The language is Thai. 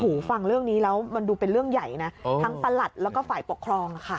ฟังเรื่องนี้แล้วมันดูเป็นเรื่องใหญ่นะทั้งประหลัดแล้วก็ฝ่ายปกครองค่ะ